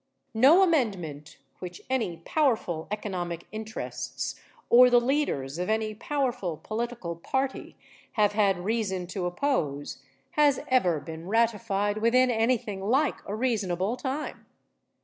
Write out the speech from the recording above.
No amendment which any powerful economic interests or the leaders of any powerful political party have had reason to oppose has ever been ratified within anything like a reasonable time.